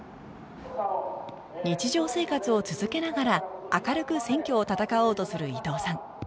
日常生活を続けながら明るく選挙を戦おうとする伊藤さん